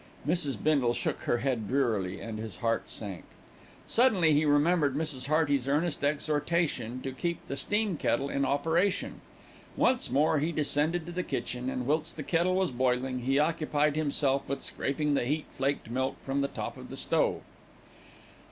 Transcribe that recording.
Mrs. Bindle shook her head drearily, and his heart sank. Suddenly, he remembered Mrs. Hearty's earnest exhortation to keep the steam kettle in operation. Once more he descended to the kitchen and, whilst the kettle was boiling, he occupied himself with scraping the heat flaked milk from the top of the stove.